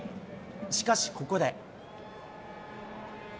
しかしここで。